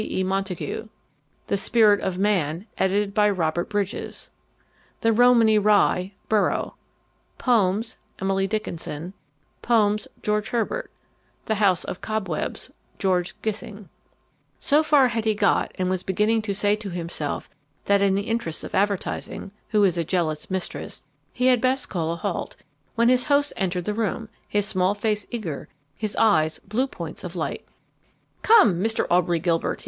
E. Montague The Spirit of Man: edited by Robert Bridges The Romany Rye: Borrow Poems: Emily Dickinson Poems: George Herbert The House of Cobwebs: George Gissing So far had he got, and was beginning to say to himself that in the interests of Advertising (who is a jealous mistress) he had best call a halt, when his host entered the room, his small face eager, his eyes blue points of light. "Come, Mr. Aubrey Gilbert!"